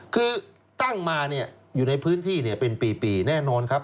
คือตั้งมาอยู่ในพื้นที่เป็นปีแน่นอนครับ